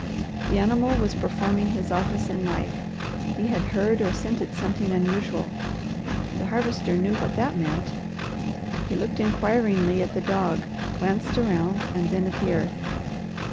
The animal was performing his office in life; he had heard or scented something unusual. The Harvester knew what that meant. He looked inquiringly at the dog, glanced around, and then at the earth.